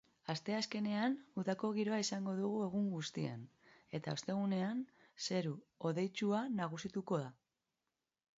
Asteazkenean udako giroa izango dugu egun guztian eta ostegunean zeru hodeitsua nagusituko da.